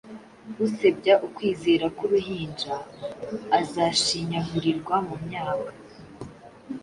Usebya Ukwizera k'Uruhinja Azashinyagurirwa mu myaka